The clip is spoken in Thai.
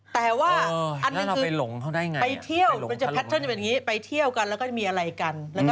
แต่ว่าอันนี้คือไปเที่ยวกันแล้วก็มีอะไรกัน